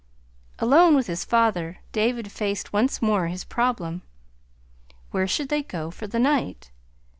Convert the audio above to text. Alone with his father, David faced once more his problem. Where should they go for the night?